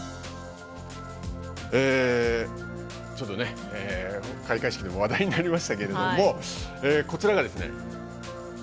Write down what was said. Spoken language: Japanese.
ちょっと開会式で話題になりましたけどこちらがですね